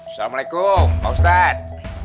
assalamualaikum pak ustaz